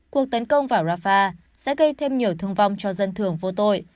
cuộc tấn công vào rafah sẽ gây thêm nhiều thương vong cho dân thường vô tội